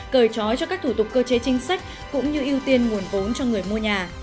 cởi trói cho các thủ tục cơ chế chính sách cũng như ưu tiên nguồn vốn cho người mua nhà